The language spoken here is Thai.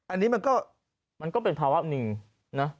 อันนี้มันก็เป็นภาวะหนึ่งนะ